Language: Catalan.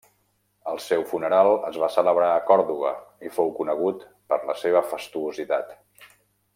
El seu funeral es va celebrar a Còrdova i fou conegut per la seva fastuositat.